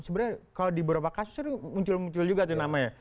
sebenarnya kalau di beberapa kasus itu muncul muncul juga tuh namanya